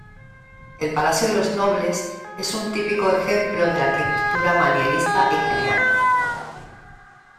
El Palacio de los Nobles es un típico ejemplo de la arquitectura manierista italiana.